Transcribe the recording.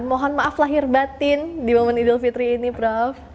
mohon maaf lahir batin di momen idul fitri ini prof